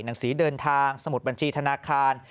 หนังสือเดินทางสมุดบัญชีธนาคาร